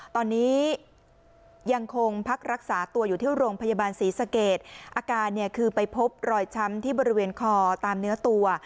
ตอนนี้ยังคงพักรักษาตัวอยู่ที่โรงพยาบาลศรีสเกตอาการเนี่ยคือไปพบรอยช้ำที่บริเวณคอตามเนื้อตัว